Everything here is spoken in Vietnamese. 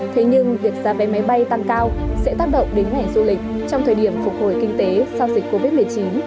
thế nhưng việc giá vé máy bay tăng cao sẽ tác động đến ngành du lịch trong thời điểm phục hồi kinh tế sau dịch covid một mươi chín